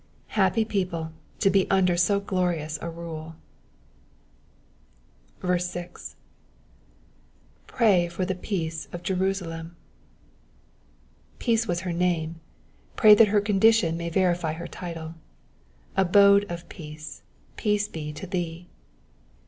Happy people to be under so glorious a rule. 6. ^^Pray for the peace of Jerusalem,'*'* Peace was her name, pray that her condition may verify her title. Abode of Peace, peace be to thee.